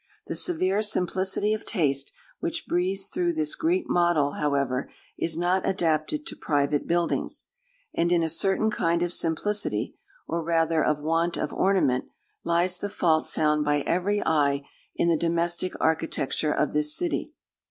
The severe simplicity of taste which breathes through this Greek model, however, is not adapted to private buildings; and in a certain kind of simplicity, or rather of want of ornament, lies the fault found by every eye in the domestic architecture of this city.